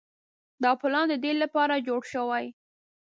دا پلان د دې لپاره جوړ شوی.